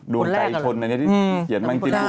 ดวงใจชน